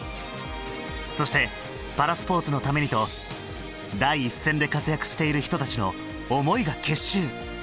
そして「パラスポーツのために」と第一線で活躍している人たちの思いが結集！